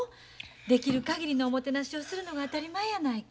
できる限りのおもてなしをするのが当たり前やないか。